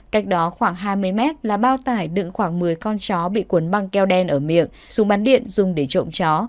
cách đó khoảng hai mươi mét là bao tải đựng khoảng một mươi con chó bị cuốn băng keo đen ở miệng súng bắn điện dùng để trộm chó